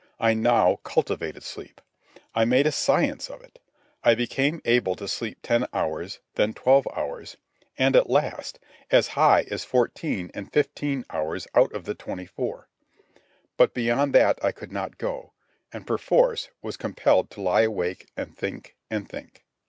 I now cultivated sleep. I made a science of it. I became able to sleep ten hours, then twelve hours, and, at last, as high as fourteen and fifteen hours out of the twenty four. But beyond that I could not go, and, perforce, was compelled to lie awake and think and think.